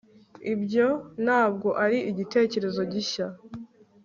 ibyo ntabwo ari igitekerezo gishya